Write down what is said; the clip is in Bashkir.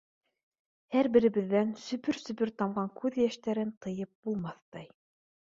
Һәр беребеҙҙән сөбөр-сөбөр тамған күҙ йәштәрен тыйып булмаҫтай.